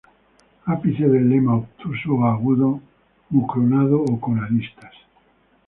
Ápice del lema obtuso, o agudo; mucronado, o con aristas.